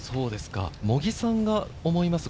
茂木さんが思います